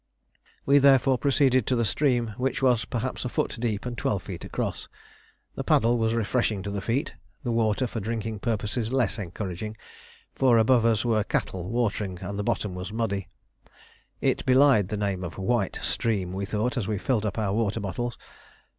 We therefore proceeded to the stream, which was perhaps a foot deep and twelve feet across. The paddle was refreshing to the feet; the water for drinking purposes less encouraging, for above us were cattle watering and the bottom was muddy. It belied its name of "White Stream," we thought, as we filled up our water bottles.